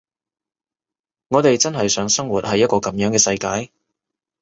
我哋真係想生活喺一個噉樣嘅世界？